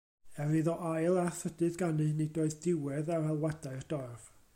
Er iddo ail a thrydydd ganu, nid oedd diwedd ar alwadau'r dorf.